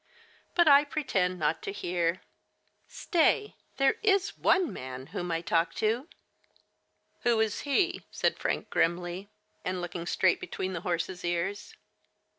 "But I pretend not to hear. Stay — there is one man whom I talk to "" Who is he? " said Frank grimly, and looking straight between the horses' ears.